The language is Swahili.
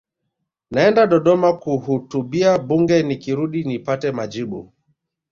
naenda dodoma kuhutubia bunge nikirudi nipate majibu